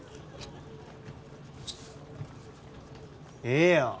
ええやん！